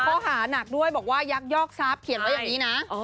ข้อหานักด้วยบอกว่ายักยอกทรัพย์เขียนไว้อย่างนี้นะ